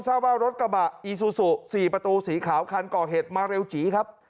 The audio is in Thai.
ทราบว่ารถกระบะอีซูซู๔ประตูสีขาวคันก่อเหตุมาเร็วจีครับ